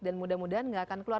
dan mudah mudahan gak akan keluar